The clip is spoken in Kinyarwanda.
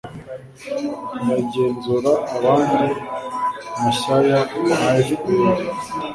ntiyagenzura abandi mashyaya nka fpr